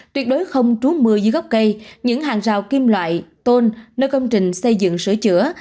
tuyệt đối không trú mưa dưới gốc cây những hàng rào kim loại tôn nơi công trình xây dựng sửa chữa